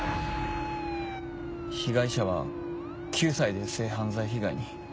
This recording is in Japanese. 被害者は９歳で性犯罪被害に？